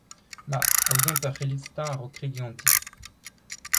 Ma, aozomp ur c'hellidsteuñv a-raok kregiñ ganti.